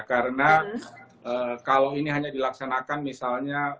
karena kalau ini hanya dilaksanakan misalnya